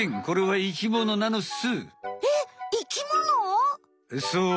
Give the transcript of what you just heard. これは生きものなのっす！